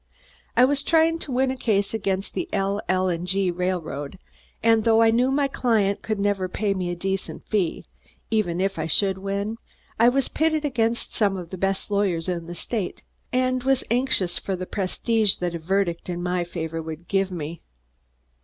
I was trying to win a case against the L. L. & G. railroad, and though I knew my client could never pay me a decent fee, even if I should win, I was pitted against some of the best lawyers in the state, and was anxious for the prestige that a verdict in my favor would give me.